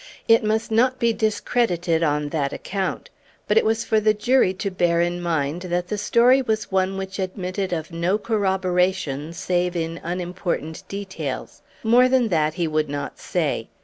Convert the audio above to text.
It must not be discredited on that account. But it was for the jury to bear in mind that the story was one which admitted of no corroboration, save in unimportant details. More than that he would not say.